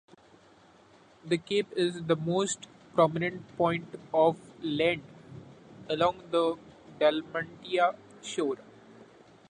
The cape is the most prominent point of land along the Dalmatian shore.